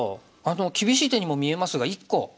厳しい手にも見えますが１個。